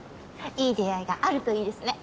いい出会いがあるといいですね。